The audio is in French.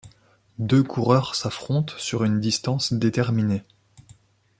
Deux coureurs s'affrontent sur une distance déterminée.